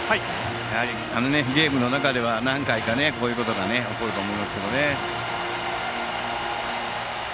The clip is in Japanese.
やはりこのゲームの中では何回かこういうことが起こると思います。